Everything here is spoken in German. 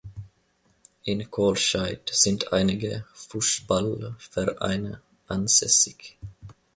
In Kohlscheid sind einige Fußballvereine ansässig.